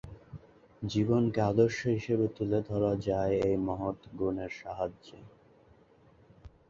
জীবনকে আদর্শ হিসেবে তুলে ধরা যায় এই মহৎ গুণের সাহায্যে।